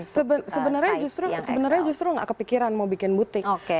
sebenarnya justru nggak kepikiran mau bikin butik